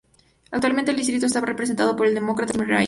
Actualmente el distrito está representado por el Demócrata Tim Ryan.